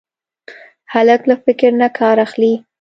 هلک له فکر نه کار اخلي.